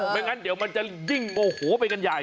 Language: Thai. ไม่งั้นเดี๋ยวมันจะยิ่งโมโหไปกันใหญ่